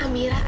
ini amira ya